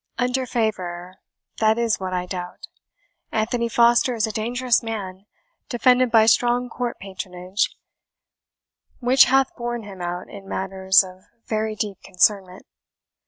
"Under favour, that is what I doubt. Anthony Foster is a dangerous man, defended by strong court patronage, which hath borne him out in matters of very deep concernment.